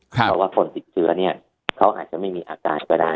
เพราะว่าคนติดเชื้อเนี่ยเขาอาจจะไม่มีอาการก็ได้